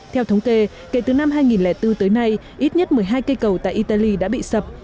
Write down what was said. theo thống kê kể từ năm hai nghìn bốn tới nay ít nhất một mươi hai cây cầu tại italy đã bị sập